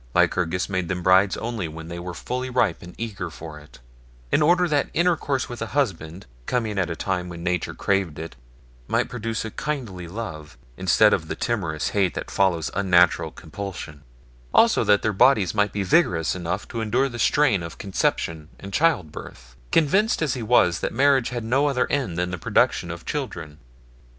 Lycurgus made them brides only when they were fully ripe and eager for it, in order that intercourse with a husband, coming at a time when nature craved it, might produce a kindly love, instead of the timorous hate that follows unnatural compulsion ; also that their bodies might be vigorous enough to en dure the strain of conception and child birth, con vinced as he was that marriage had no other end than the production of children.